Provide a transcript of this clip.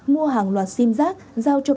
mua hàng loạt sim giác giao cho